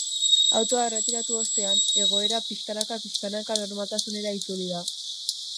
Autoa erretiratu ostean, egoera pixkanaka-pixkanaka normaltasunera itzuli da.